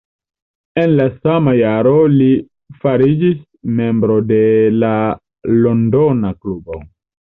En la sama jaro li fariĝis membro de la londona klubo.